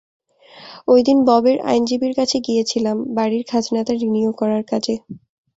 ঐদিন ববের আইনজীবীর কাছে গিয়েছিলাম, বাড়ির খাজনাটা রিনিউ করার কাজে।